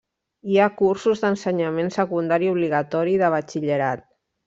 Hi ha cursos d'ensenyament secundari obligatori i de batxillerat.